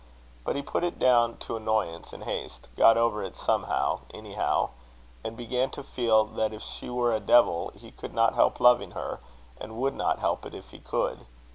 But he put it down to annoyance and haste got over it somehow anyhow; and began to feel that if she were a devil he could not help loving her, and would not help it if he could.